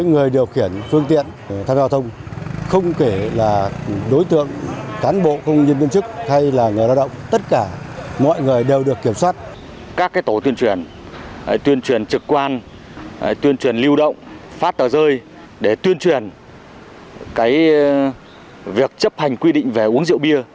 giải quyết phù hợp phát tờ rơi để tuyên truyền việc chấp hành quy định về uống rượu bia